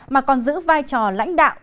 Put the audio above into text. mà còn giữ vai trò lãnh đạo